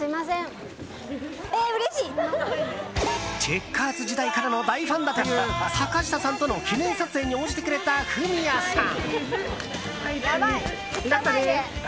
チェッカーズ時代からの大ファンだという坂下さんとの記念撮影に応じてくれたフミヤさん。